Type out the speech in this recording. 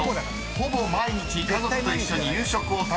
ほぼ毎日家族と一緒に夕食を食べる人は？